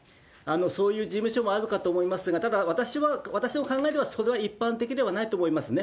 そういう事務所もあるかと思いますが、ただ、私は、私の考えでは、それは一般的ではないと思いますね。